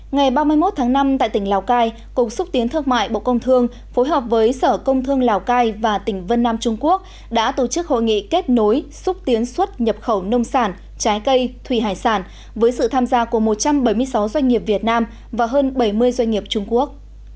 ngày ba mươi một tháng năm tại tỉnh lào cai cục xúc tiến thương mại bộ công thương phối hợp với sở công thương lào cai và tỉnh vân nam trung quốc đã tổ chức hội nghị kết nối xúc tiến xuất nhập khẩu nông sản trái cây thủy hải sản với sự tham gia của một trăm bảy mươi sáu doanh nghiệp việt nam và hơn bảy mươi doanh nghiệp trung quốc